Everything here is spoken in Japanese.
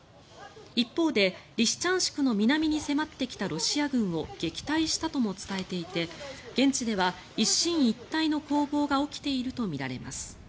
一方で、リシチャンシクの南に迫ってきたロシア軍を撃退したとも伝えていて現地では一進一退の攻防が起きているとみられます。